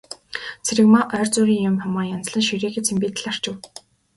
Цэрэгмаа ойр зуурын юм, хумаа янзлан ширээгээ цэмбийтэл арчив.